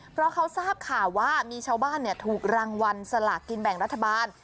เพราะเขาทราบข่าวว่ามีชาวบ้านถูกรางวัลสลากกินแบ่งรัฐบาล